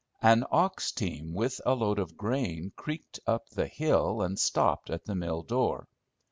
An ox team with a load of grain creaked up the hill and stopped at the mill door.